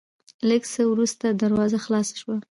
لېږ څه ورورسته دروازه خلاصه شوه،